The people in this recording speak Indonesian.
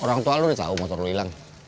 orang tua lu udah tau motor lu ilang